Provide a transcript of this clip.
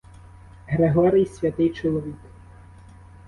Григорій — святий чоловік.